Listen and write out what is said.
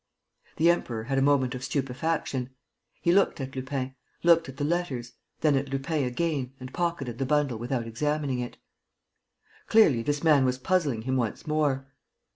The Emperor had a moment of stupefaction. He looked at Lupin, looked at the letters, then at Lupin again and pocketed the bundle without examining it. Clearly, this man was puzzling him once more.